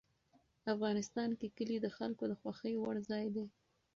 افغانستان کې کلي د خلکو د خوښې وړ ځای دی.